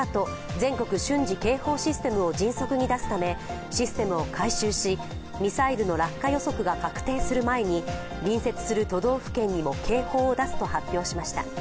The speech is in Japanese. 全国瞬時警報システムを迅速に出すためシステムを改修し、ミサイルの落下予測が確定する前に隣接する都道府県にも警報を出すと発表しました。